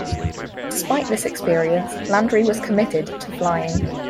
Despite this experience, Landry was committed to flying.